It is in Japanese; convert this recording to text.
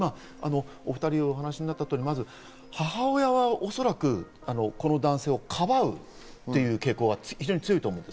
お２人がお話しになった通り、母親は、おそらくこの男性をかばうという傾向は非常に強いと思う。